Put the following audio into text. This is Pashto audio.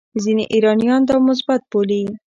ځینې ایرانیان دا مثبت بولي.